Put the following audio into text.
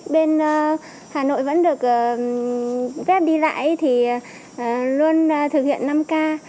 bên hà nội vẫn được phép đi lại thì luôn thực hiện năm k